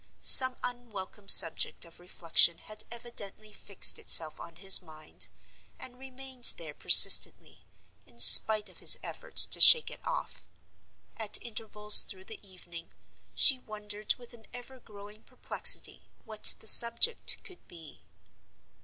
Some unwelcome subject of reflection had evidently fixed itself on his mind, and remained there persistently, in spite of his efforts to shake it off. At intervals through the evening, she wondered with an ever growing perplexity what the subject could be.